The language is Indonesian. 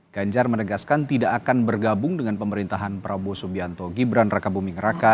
ganjar menegaskan tidak akan bergabung dengan pemerintahan prabowo subianto gibran raka buming raka